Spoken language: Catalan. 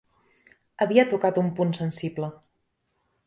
Havia tocat un punt sensible.